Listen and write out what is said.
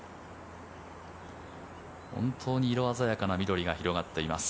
本当に色鮮やかな緑が広がっています。